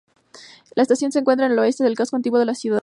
La estación se encuentra al oeste del casco antiguo de la ciudad.